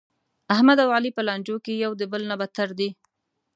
احمد او علي په لانجو کې یو د بل نه بتر دي.